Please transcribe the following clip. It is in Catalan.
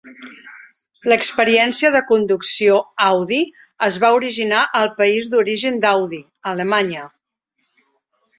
L'Experiència de Conducció Audi es va originar al país d'origen d'Audi, Alemanya.